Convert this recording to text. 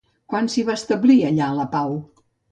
Quan s'hi va establir allà la pau?